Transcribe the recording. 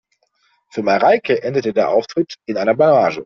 Für Mareike endete der Auftritt in einer Blamage.